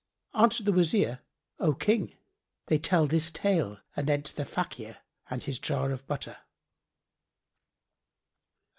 Answered the Wazir, "O King, they tell this tale anent The Fakir and his Jar of Butter.